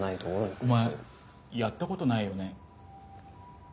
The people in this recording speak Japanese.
お前やったことないよね？